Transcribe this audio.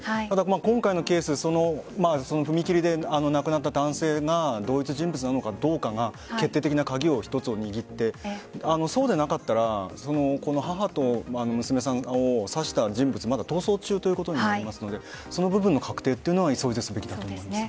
今回のケース踏切で亡くなった男性が同一人物なのかどうかが決定的な鍵を握ってそうでなかったら母と娘さんを刺した人物逃走中ということになりますのでその部分の確定は急ぐべきだと思います。